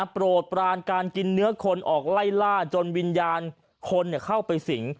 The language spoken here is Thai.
โปรดปรานการกินเนื้อคนออกไล่ล่าจนวิญญาณคนเข้าไปสิง